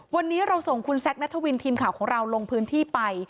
วันนี้เราส่งคุณแซคนัทวินทีมข่าวของเราลงพื้นที่ไป